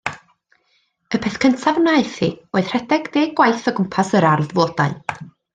Y peth cyntaf wnaeth hi oedd rhedeg ddeg gwaith o gwmpas yr ardd flodau.